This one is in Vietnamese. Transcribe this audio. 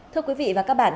thưa quý vị và các bạn